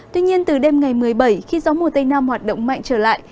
tuy nhiên từ đêm ngày một mươi bảy khi gió mùa tây nam hoạt động mạnh trở lại